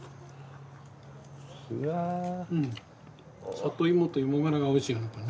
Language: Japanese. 里芋と芋がらがおいしいね。